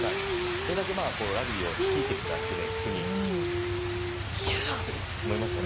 それだけラグビーを率いてきた国、すごいなと思いましたよね。